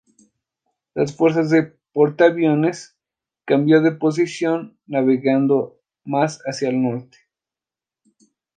Las fuerza de portaaviones cambió de posición navegando más hacia el norte.